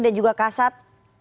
dan juga kasat